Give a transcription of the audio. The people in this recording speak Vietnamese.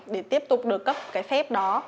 để tiếp tục được cấp cái phép đó